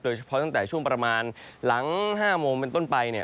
ตั้งแต่ช่วงประมาณหลัง๕โมงเป็นต้นไปเนี่ย